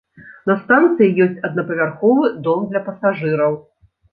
На станцыі ёсць аднапавярховы дом для пасажыраў.